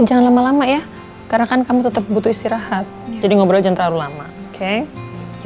jangan lama lama ya karena kan kamu tetap butuh istirahat jadi ngobrol jangan terlalu lama oke